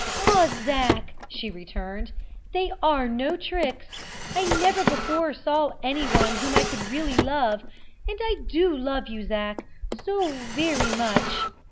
"Ah, Zac," she returned, "they are no tricks; I never before saw anyone whom I could really love, and I do love you, Zac, so very much!"